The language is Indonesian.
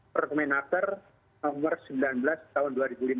pergumenaker nomor sembilan belas tahun dua ribu lima belas